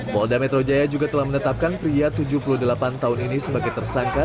polda metro jaya juga telah menetapkan pria tujuh puluh delapan tahun ini sebagai tersangka